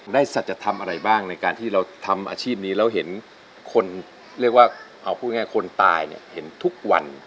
สัจธรรมอะไรบ้างในการที่เราทำอาชีพนี้แล้วเห็นคนเรียกว่าเอาพูดง่ายคนตายเนี่ยเห็นทุกวัน